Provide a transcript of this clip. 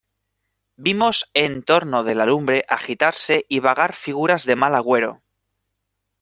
vimos en torno de la lumbre agitarse y vagar figuras de mal agüero: